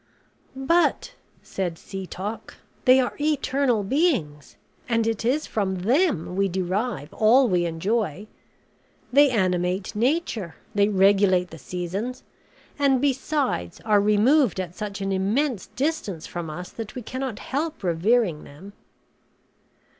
"But," said Setoc, "they are eternal beings; and it is from them we derive all we enjoy. They animate nature; they regulate the seasons; and, besides, are removed at such an immense distance from us that we cannot help revering them."